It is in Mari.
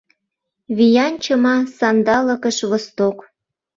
Виян чыма сандалыкыш «Восток».